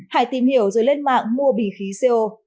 hải tìm hiểu rồi lên mạng mua bình khí co